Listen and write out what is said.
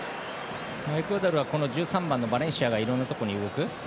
エクアドルは１３番のバレンシアがいろいろなところに動く。